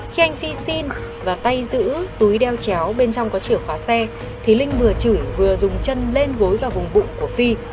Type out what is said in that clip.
khi anh phi xin và tay giữ túi đeo chéo bên trong có chìa khóa xe thì linh vừa chửi vừa dùng chân lên gối vào vùng bụng của phi